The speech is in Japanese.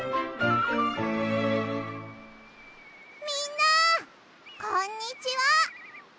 みんなこんにちは！